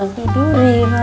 alhamdulillah udah beres semua